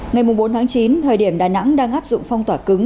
ngày bốn tháng chín thời điểm đà nẵng đang áp dụng phong tỏa cứng